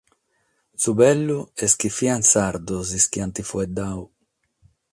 Su bellu est chi fiant sardos sos chi ant faeddadu.